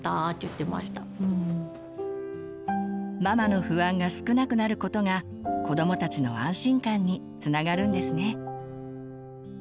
ママの不安が少なくなることが子どもたちの安心感につながるんですね。